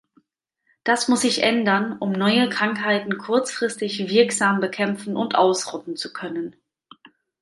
Das muss sich ändern, um neue Krankheiten kurzfristig wirksam bekämpfen und ausrotten zu können.